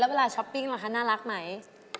แล้วเวลาช้อปปิ้งเหรอคะน่ารักไหม